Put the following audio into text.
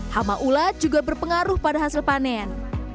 hama ulat juga berpengaruh pada hasil panen